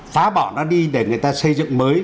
phá bỏ nó đi để người ta xây dựng mới